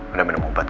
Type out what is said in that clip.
udah minum ubat